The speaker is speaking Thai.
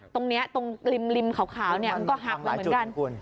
ตรงนี้ตรงริมขาวมันก็หักแล้วเหมือนกัน